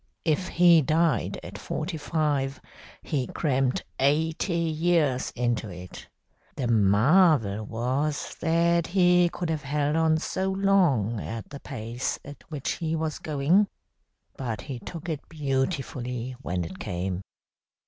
If he died at forty five, he crammed eighty years into it. The marvel was that he could have held on so long at the pace at which he was going. But he took it beautifully when it came.